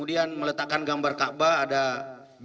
ini yang menghina kak baris